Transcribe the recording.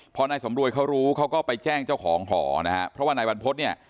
พอนายสำรวยเขารู้เขาก็ไปแจ้งเจ้าของหอนะฮะเพราะว่านายบรรพฤษเนี่ย